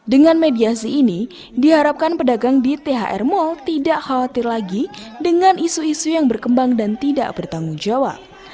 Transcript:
dengan mediasi ini diharapkan pedagang di thr mall tidak khawatir lagi dengan isu isu yang berkembang dan tidak bertanggung jawab